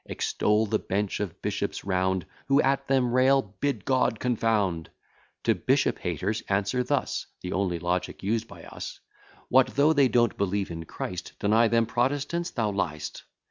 Extol the bench of bishops round, Who at them rail, bid confound; To bishop haters answer thus: (The only logic used by us) What though they don't believe in Deny them Protestants thou lyest.